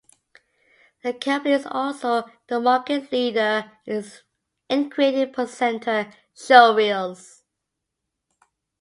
The company is also the market leader in creating presenter showreels.